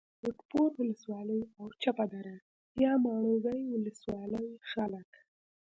وټپور ولسوالي او چپه دره یا ماڼوګي ولسوالۍ خلک